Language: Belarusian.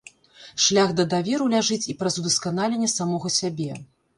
Шлях да даверу ляжыць і праз удасканаленне самога сябе.